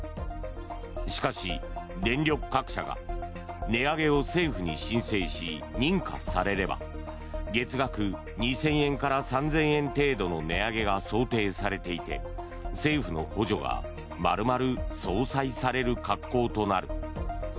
しかし、電力各社が値上げを政府に申請し、認可されれば月額２０００円から３０００円程度の値上げが想定されていて政府の補助が丸々相殺される格好となる。